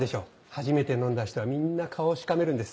初めて飲んだ人はみんな顔しかめるんです。